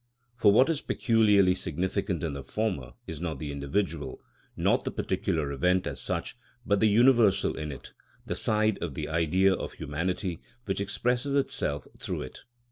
For what is peculiarly significant in the former is not the individual, not the particular event as such, but the universal in it, the side of the Idea of humanity which expresses itself through it.